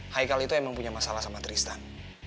haikal itu emang punya masalah sama tristan